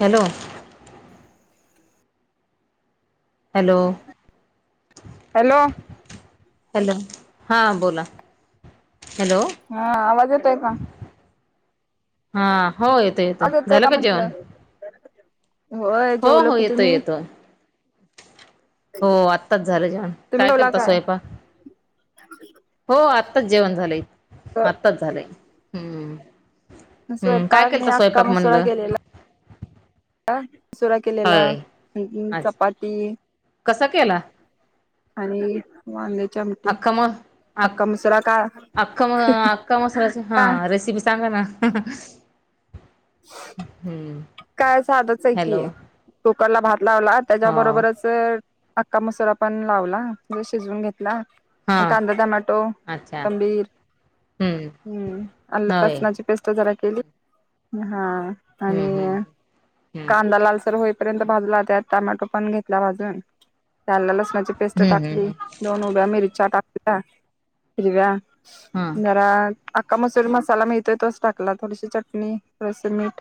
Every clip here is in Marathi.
हॅलो! हॅलो! हॅलो! हॅलो! हां बोला? हॅलो! हा आवाज येतोय का? हा हो येतोय येतोय झालं का जेवण? होय हो जेवलो हो की येतो तुम्ही? येतो हो, आत्ताच झालं जेवण तुम्ही काय जेवला केलता स्वयंपाक? हो आत्ताच जेवण झालंय, आत्ताच झालंय. हम्म हम्म काय स्वयंपाक मी केलता अख्खा स्वयंपाक मसुरा म्हणलं केलेला [inaudible] अ सुुरा केलेला, होय अच्छा चपाती कसा केला? आणि वांग्याची आमटी आ अख्खा मसुरा का आख्खा म आख्खा मसूरचा आख्खा मसूरचा का रेसिपी सांगा ना? ह ह [inaudible] काय साधचंय की हॅलो कुकरला भात लावला हो त्याच्याबरोबरच तर अख्खा मसूर पण लावला म शिजवून घेतला हां कांदा, टमाॅटो, अच्छा कोथंबीर हम्म हम, अलं होय लसनाची पेस्ट जरा केली हा हम्म हम्म आणि हम्म कांदा लालसर होय कांदा भाजला त्यात टोमॅटो पण घेतला भाजून त्याला लसना ची पेस्ट हम्म हम्म टाकली हम्म दोन हिरव्या मिरच्या टाकल्या हिरव्या हा जरा आक्का मसूरी मसाला मिळतोय तोच टाकला थोडीशी चटणी थोडसे मीठ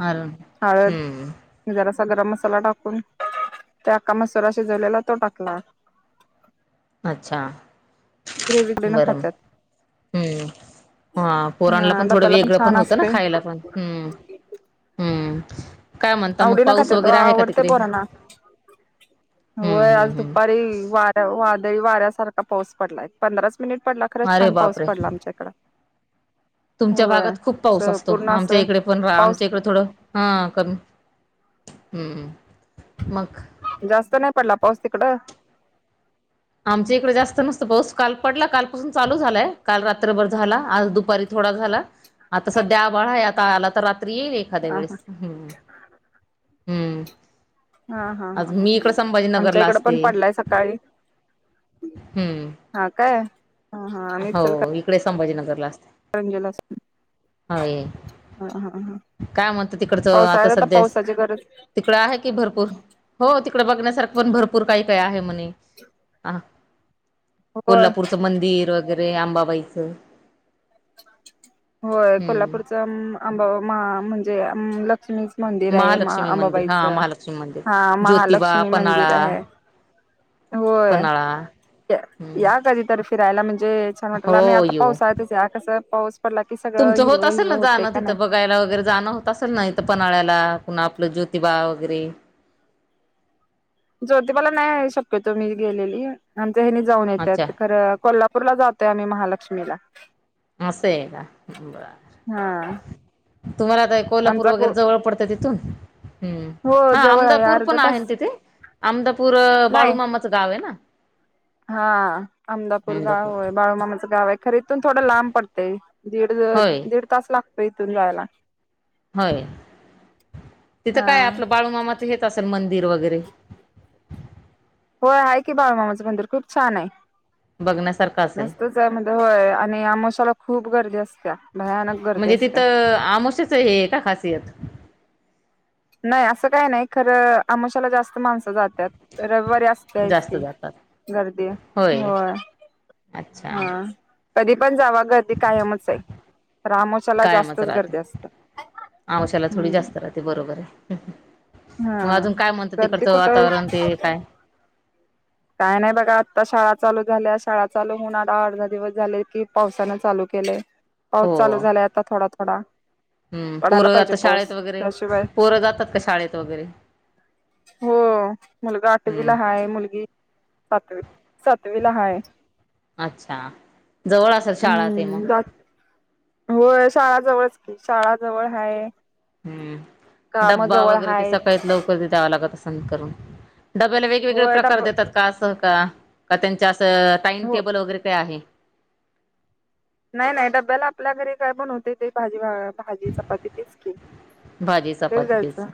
हाणा [unintelligible] हळद हम् जरासा गरम मसाला टाकून त्या अक्का मसूरा शिजवलेला तो टाकला. अच्छा! ग्रेव्ही त्यान बरं खात्यात. हम्म, हा पोरणला हा पण थोडं डब्याला वेगळं पण छान होतं ना असते खायला पण. हम्म, हम्म, काय म्हणता मग आवडीन पाऊस खात्यात वगैरे आहे का आवडते तिकडे? पोरांना हम्म होय हम्म आज हम्म दुपारी वार वादळी वाऱ्यासारखा पाऊस पडलाय, पंधराच मिनिट पडला खरंच अरे छान पाऊस बापरे पडला आमच्या इकडं. तुमच्या भागात खूप पाऊस असतो पूर्ण आमच्या असं इकडे पण पाऊस आमच्या इकडे थोडं हा कमी हम्म, मग जास्त नाही पडला पाऊस तिकडं? आमच्या इकडे जास्त नसतो पाऊस काल पडला कालपसून चालू झालाय काल रात्रभर झाला आज दुप दुपारी थोडा झाला आता सध्या आबाळा आहे आता आला तर रात्री येईल एक एखाद्या हा हा वेळेस. हम्म हा हा हा आज हा मी इकड आमच्या संभाजीनगरला इकडं पण असते. पडलाय सकाळी हम्म. हा काय. हा हा हो इकडे संभाजीनगरला असते. परंजला [unintelligible] असल होय. हा काय म्हणत तिकडचं आता पावसाळ्यात सध्यास, पावसाची गरज तिकडं आहे कि भरपूर हो तिकडे बघण्यासारखं पण भरपूर काही काय आहे म्हणे. होय कोल्हापूरचं मंदिर वगैरे आंबाबाईचं. होय, हम्म कोल्हापूरचा आंबाबा मा म्हणजे अम लक्ष्मी मंदिर आहे मा महालक्ष्मी मंदिर हा अंबाबाईचं, महालक्ष्मी मंदिर हा ज्योतिबा महालक्ष्मी पन्हाळा मंदिर आहे. होय, पन्हाळा हम्म या काधी तरी फिरायला म्हणजे छान वाटल आणि हो आता येऊ पाऊसाल्यातच या कसं पाऊस पडला की सगळं तुमचं होत हिरव असेल हिरव ना होतय जाणं का तिथं नाही? बघायला वगैरे जाणं होत असेल ना, इथ पनळ्याला पुन्हा आपलं ज्योतिबा वगैरे ज्योतीबाला नाही शक्यतो मी गेलेली आमच्या हेनि जाऊन येतात अच्छा खरं कोल्हा पूरला जातोय आम्ही महालक्ष्मीला. असंय का बर. हा तुम्हाला आता कोल्हापूर आमचा वगैरे जवळ पडतें तिथून. हम्म, हो हा जवळ आहे अमदापूर अर्धा पण आहे तास ना तिथे अमदापूर नाही बाळूमामाचं गाव आहे ना? हा अमदापूर गाव आहे. बाळूमामाचं गाव आहे. खर इथून थोडं लांब पडतय. दीड, होय दीड तास लागतो इथून जायला. होय, तिथं हा काय आपलं बाळूमामाच हेच असेल मंदिर वगैरे होय, आहे की बाळू मामाचं मंदिर खूप छान आहे. बघण्यासारखं असेल. हो आणि आमोशाला खूप गर्दी असत्या भयानक गर्दी म्हणजे असत्या तिथं अमोसेच हे का खासियत नाही असं काही नाही खरं आमशाला जास्त माणसं जातात रविवारी च जास्त की जातात गर्दी होय हो अच्छा हा कधी पण जाव गर्दी कायमच आहे रामोशाला कायमच जास्तच राहते गर्दी असते हम्म ते बरोबर आहे मग हा अजून काय म्हणत गर्दी तिकडचं कुठं वातावरण ते काय काय नाही बघा आत्ता शाळा चालू झाल्या शाळा चालू होन आा अर्धा दिवस झाले की पावसानं चालू केले पाऊस चालू हो झालाय आता थोडा थोडा हम्म पडायला पोरं पाहिजे आता पाऊस शाळेत वगैरे त्याशिवाय पोरं जातात का शाळेत वगैरे हो मुलगा हम्म आठवीला हाय मुलगी सातवी सातवीला हाय अच्छा जवळ असेल शाळा ते मग हो शाळाजवळच की शाळाजवळ आहे हम्म डब्बा वगैरे ते हायत सकाळीत लवकर ते द्यावा लागत असं करून डब्याला वेगवेगळे होय प्रकार डब देतात का असं का का त्यांच्या असं हो टाइमटेबल वगैरे काय आहे नाही नाही डब्याला आपल्या घरी काय बणवते ते भाजी भाजी चपाती तेच की भाजी तेच चपातीच द्यायचं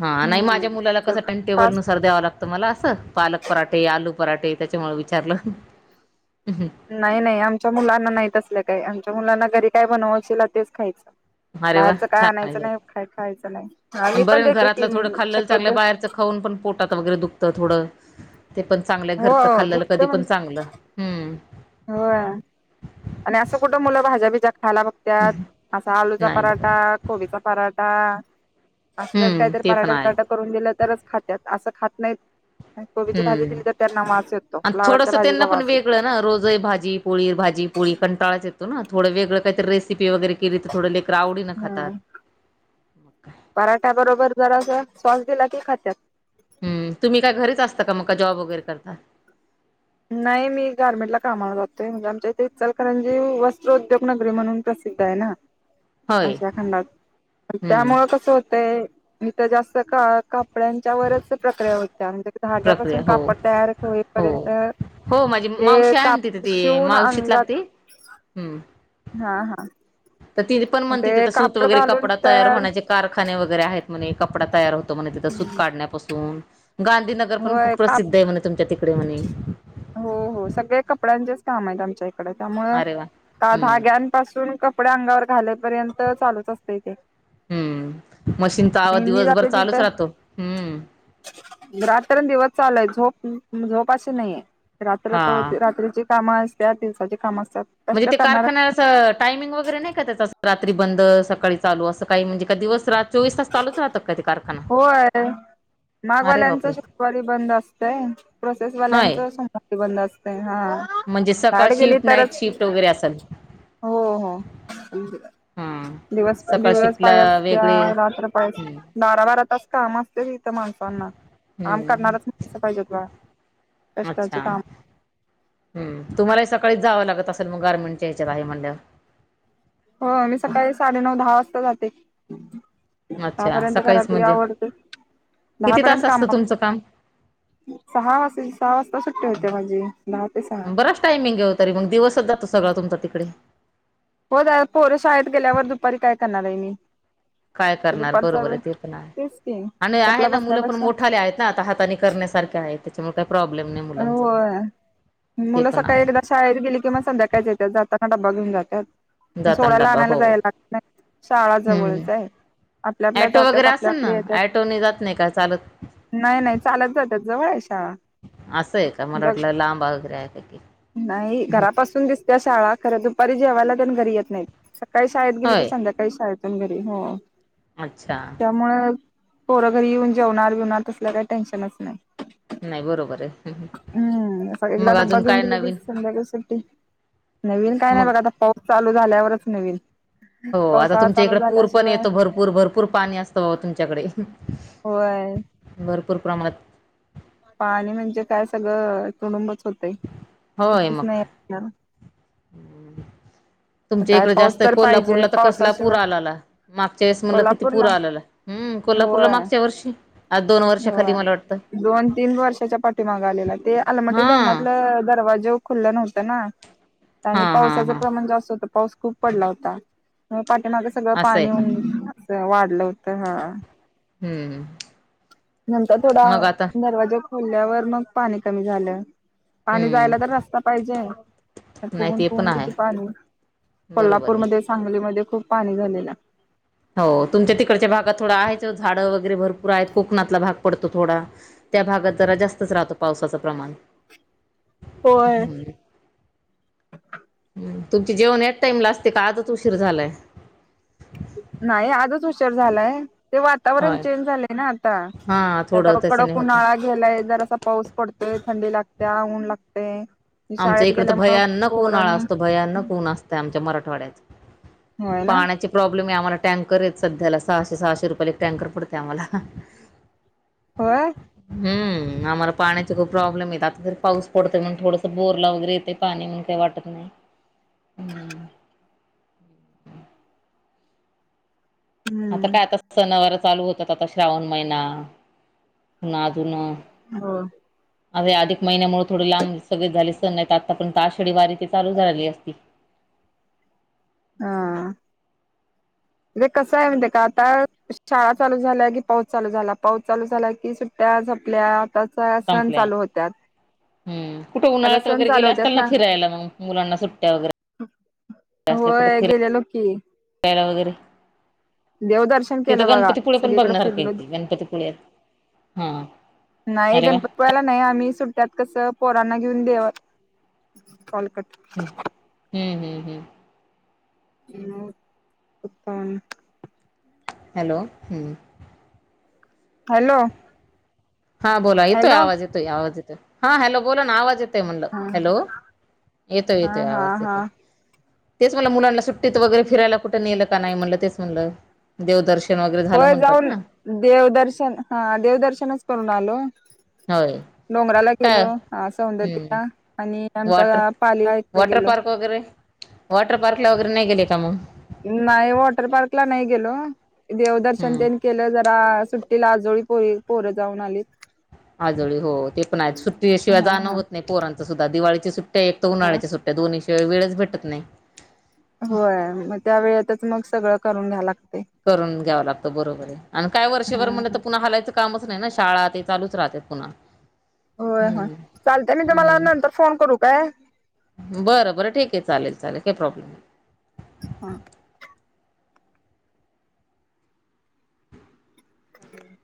हा नाही माझ्या मुलाला हम्म कस प टेबल फास्ट नुसार द्यावा लागत मला असं पालक पराठे आलू पराठे त्याच्यामुळे विचारलं नाही नाही आमच्या मुलांना नाहीत असल्या काही आमच्या मुलांना घरी काय बनवायशील तेच खायचं अरे वा बाहेरच काय छान आणायचं आहे. नाही खाय खायचं नाही मी पण बरं देते कि घरातलं थोडं खाल्लेलं शक्यत चांगलं बाहेरचं खाऊन पण पोटात वगैरे दुखतं थोडं ते पण चांगलं हो घरचं खाल्लेलं कधी पण चांगलं हम्म हो आणि असं कुठं मुलं भाज्या बिज्या खायला बघतात असा आलूचा नाही बघ पराठा कोबीचा पराठा असच हम्म काहीतरी ते पण आहे पराठेठ ून दि तरच खात असं खात नाहीत आणि कोबीची भाजी हम्म दिली तर त्यांना वास येतो आणि फ्लावरच्या थोडंसं त्यांना भाजीचा पण वास येतो वेगळं रोज भाजी पोळी भाजी पोळी कंटाळाच येतो ना थोडं वेळं काहीतरी रेसिपी वगैरे केली तर थोडं लक्रवडीं ह खातात मग काय. पराठ्या बरोबर जरा अस सवास दिला की खाच्यात हम् तुम्ही काय घरीच असता का मग का जॉब वगैरे करता नाही मी गार्मेंट ला कामाला जातोय म्हणजे आमच्या इथे चलकरंजी वस्त्र उद्योग नगरी म्हणून प्रसिद्ध आहे ना होय अशा खंडात हम्म त्यामुळ कसं होतंय मी तर जास्त का कपड्यांच्या वच प्रक्रिया होत्या म्हणजे प्रक्रिया धाग्यापासून हो कापड तयार हो होईपर्यंत हो माझी ते मावशी काप आहे तिथे ती शिवून मावशीत लागते अंगात हम्म हा हा तर ति पण म्हणतेथ ते तर सूत कापड वगैरे घालून कपडा तयार होण्याचे कारखा वगैरे आहेत म्ह कपडा तयार होतो म्हणे तिथ सूत काढण्यापासून गांधीनगर नगर पण खूप होय काप प्रसिद्ध आहे म्हणे तुमच्या तिकडे म्हणे हो हो सगळे कपड्यांचेच काम आहेत आमच्या इकडे त्यामु अरे वा का हम्म धाग्या पासून कपडे्या अंगावर घाल्यापर्यंत चालूत असते इ ते हम्म मशीन तर आवा दिवसभर चालूच राहतो हम्म रात्र दिवस चालूय झोप झोपाशी नाहीये रात्र हा रात्रीची कामं असत्याात दिवसाची कामं असतात. कष्ट म्हणजे ते करणार कारखान्यात टायमिंग वगैरे नाही का त्याचा रात्री बंद, सकाळी चालू असं काही म्हणजे का दिवस रात्र चालुच राहत का ते होय.. अरे माघवाल्यांच बापरे शुक्रवारी बंद असतंय प्रोसेसवाल्यांच हाय स बंद असत हा. म्हणजे सकाळ झाड गेली शिफ्ट तरच नाईट शिफ्ट वगैरे असेल हो हो. हा दिवस, सकाळ दिवस शिफ्टला पाळी असते वेगळे रात्रपाळी असते हम्म बारा, बारा तास काम माणसांना काम हम्म करणारच नाही पाहिजे तु कष्टाचे काम-' तुम्हाला ही सकाळी जावं लागत असेल गारमेंटच्या ह्याच्यात आहे म्हटल्यावर? हो मी सकाळी साडेनऊ, दहा वाजता जाते. अच्छा दहापर्यंत सकाळीच खराब म्हणजे आवडते किती तास दहापर्यंत असतं काम तुमचं सहा वाजे सहा वाजता सुट्टी होते माझी ते सहा बराच टायमिंग येे तरी मग दिवसच जातो सगळां तुमचा तिकडे. हो द पोर शाळेत गेल्यावर दुपारी काय करणार आहे मी. काय करणार दुपारचा बरोबर वेळ आहे ते पण आहे तेच की आणि आहे टपला ना मुलं पण बसण्यापेक्षा मोठाले आहेत ना आता हातानी करण्या सारखी सारख हाय त्याच्यामुळे प्रॉब्लेम नाही. मुलांचा होय ते मुलं पण सकाळी एकदा आहे शाळेत गेली की मग संध्याकाळीच येतात जाताना डबा घेऊन जातात. जाताना सोड्याला डबा आणायला हो जायला लागत नाही शाळा जवळच आहे. आपल्या आपल्या ऑटो जातात वगैरे आपल्या असेल ना आपल्या येतात ऑटो न जात नाही का चालत नाही, नाही चालत जातात जवळ आहे शाळा. असं आहे का मला वाटलं लांबा वगैरे आहे का की नाही घरापासून दिस दिसते शाळा पण दुपारी घरी तिने येत नाहीत सकाळी शाळेत गेली की होय संध्याकाळी काही शाळेतुन घरी अच्छा. त्यामुळे पोरं घरी येऊन जेवणार बिवणार तसल्या काही टेन्शनच नाही. नाही बरोबर आहे. हम्म एकदा मग डबा अजून घेऊन काय गेले की नवीन संध्याकाळी सुट्टी नवीन काय नाही मग बघा आता पा चालू झाल्यावरच नवीन. हो आता पावसाळा तुमच्या चालू इकडे पूर पण झाल्याशिवाय येतो भरपूर, भरपूर पाणी असतं बाबा तुमच्याकडे. होय. भरपूर प्रमाणात पाणी म्हणजे काय सगळं तुडुंबच होतय. होय सुट्टीच मग नाही काय. येणार तुमच्या काय इकडे पाऊस जास्त आहे तर पाहिजे कोल्हापूरला तर कसला पावसाशिवाय पुरा आलाला मागच्या वेळेस म्हणल किती पुर कोल्हापूरला आलेला. हम्म कोल्हापूरला होय मागच्या वर्षी आज दोन वर्षाखाली मला वाटत. माग आलेला ते आलमटी धरणातलं दरवाजे खुलं नव्हतं ना आणि हां हां पावसाचं हां प्रमाण जास्त पाऊस खूप पडला होता पाठीमाग सगळं असं आहे पाणी का वाढलं होत. तर हा हम्म नंतर थोडा मग आता दरवाजा खोल्यावर मग पाणी कमी झालं. पाणी हम्म जायला तर रस्ता पाहिजे नाही फुगून, पण फुगून आहे ते पाणी बरोबर आहे कोल्हापूरमध्ये सांगलीमध्ये खूप पाणी झालेलं. हो तुमच्या तिकडच्या भागात थोडा आहेच झाडं वगैरे भरपूर आहेत कोकणातला भाग पडतो थोडा त्या भागात जरा जास्तच राहतो पावसाचं प्रमाण होय. हम्म तुमचे जेवण ह्याच टाईम ला असते का आजच उशीर झालाय? नाही आजच उशेर झालाय ते वातावरण होय चेंज झाले. आता हा त्यात थोडं आहो त्याच्याने कडक होतं उन्हाळा ह्याला जर असा पाऊस पडतोय थंडी लागते ऊन लागते. आमच्या इकड तर भयानक उन्हाळा असतो भयानक ऊन असतं. आमच्या मराठवाड्यात होय ना पाण्याचे प्रॉब्लेम आहे आम्हाला टँकर आहेत सध्याला सहाशे सहाशे रुपयाला एक टँकर पडते आम्हाला होय. हम् आम्हाला पाण्याचे खूप प्रॉब्लेम आहेत आता तरी पाऊस पडतोय म्हणून थोडसं बोरला वगैरे येते पाणी म्हणून काही वाटत नाही. हम्म [unintelligible] आता हम्म काय आता सणावार चालू होतात आता श्रावण महिना अजून हो. अर अधिक महिन्यामुळे थोडे लांब सगळे झाले. नाही आता पण आषाढी वारी ते चालू झालेली असती. हा. हे कसं आहे म्हणते का आता शाळा चालू झाल्याय की पाऊस चालू झाला पाऊस चालू झालाय की सुट त्या आपल्या आताचा सण चालू होतात. हम् कुठे उन्हाळ्या वगैरे गेले असल ना फिरायला मग मुलांना सुट्टया वगैरे हो गेलेलो की, वय वगैरे देवदर्शन तिथं केलं बघा गणपतीपुळे पण सगळीकडे बघण्यासारखं आहे फिरलो की, गणपतीपुळे हा नाही अरे वा गपत हम्म ळला नाही आम्ही सुट्टयात कसं पोरांना घेऊन देव कॉल हम्म हम्म हम्म हम्म. म उतण [unintelligible] हॅलो हम्म हॅलो हा बोला येतोय हॅलो आवाज येतोय आवाज येतोय हा हॅलो बोला ना आवाज येतो. येतोय म्हणलं हा हॅलो येतोय येतोय हा हा आवाज येतो. हा तेच म्हणलं मुलांना सुट्टीत वगैरे फिरायला कुठ ने का नाही म्हणलं तेच म्हणलं. देवदर्शन वगैरे झालं होय म्हणतात जाऊन ना. देवदर्शन हा देवदर्शनच करून आलो. होय. डोंगराला काय गेलो हा हम्म सौंदतीला आणि वॉटर आमच्या पालीला इकडे वॉटर गेलो पार्क वगैरे वॉटर पार्क ला वगैरे नाही गेले का मग? नाही वॉटर पार्क ला नाही गेलो देवदर्शन हम्म त्यांनी केलं जरा सुट ती ला आजोळी पोरी पोरे जाऊन आलीत. आजोळी हो ते पण आहेत सुट्टीशिवाय हा जाणं हा होत नाही पोरांच सुद्धा दिवाळीची सुट्टी आहे एक तर हा उन्हाळ्याच्या सुट्टी त्या दोन्ही शिवाय वेळच भेटत नाही. होय मग त्या वेळेतच मग सगळं करून घ्याय लागतय करून घ्यावं लागतं बरोबरंय आणि काय वर्षभर हा म्हणलं तर पुन्हा हलायचं कामच नाही ना शाळा ते चालूच राहतात पुन्हा होय होय हम्म चालतय मी तुम्हाला हम्म नंतर फोन करू काय? बरं बरं ठीकय चालेल चालेल काही प्रॉब्लेम नाही हा [inaudible] हं